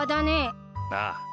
ああ。